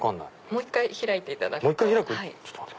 もう一回開いていただくと。